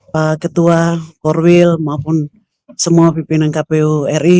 pak ketua korwil maupun semua pimpinan kpu ri